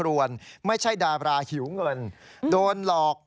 วันนี้แล้วนะครับ